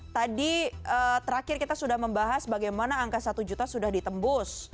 tadi terakhir kita sudah membahas bagaimana angka satu juta sudah ditembus